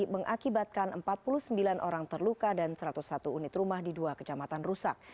mengakibatkan empat puluh sembilan orang terluka dan satu ratus satu unit rumah di dua kecamatan rusak